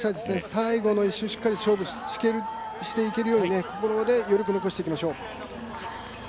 最後の１周しっかり勝負していけるようにここで余力を残していきましょう。